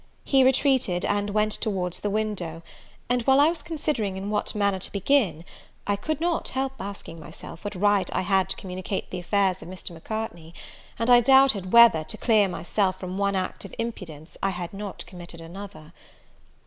He retreated, and went towards the window; and, while I was considering in what manner to begin, I could not help asking myself what right I had to communicate the affairs of Mr. Macartney: and I doubted whether, to clear myself from one act of imprudence, I had not committed another.